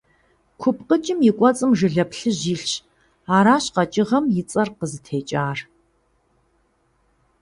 КупкъыкӀым и кӀуэцӀым жылэ плъыжь илъщ, аращ къэкӀыгъэм и цӀэри къызытекӀар.